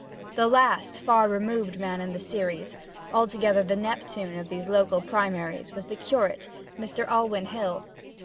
The last, far removed man of the series altogether the Neptune of these local primaries was the curate, Mr. Alwyn Hill.